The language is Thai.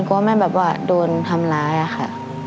กลัวแม่แบบว่าโดนทำร้ายอะค่ะ